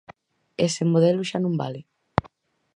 Ese modelo xa non vale.